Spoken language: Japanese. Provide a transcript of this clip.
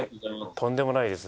とんでもないです。